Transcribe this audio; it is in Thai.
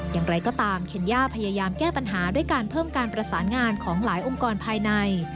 อย่างไรก็ตามเคนย่าพยายามแก้ปัญหาด้วยการเพิ่มการประสานงานของหลายองค์กรภายใน